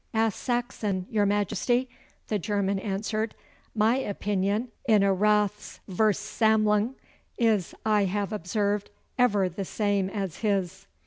'Ask Saxon, your Majesty,' the German answered. 'My opinion in a Raths Versammlung is, I have observed, ever the same as his.